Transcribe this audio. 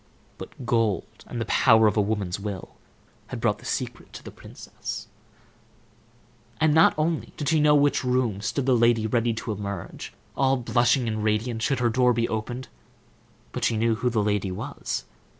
But gold, and the power of a woman's will, had brought the secret to the princess. And not only did she know in which room stood the lady ready to emerge, all blushing and radiant, should her door be opened, but she knew who the lady was.